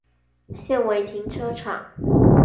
現為停車場